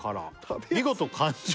「見事完食」